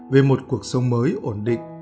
về một cuộc sống mới ổn định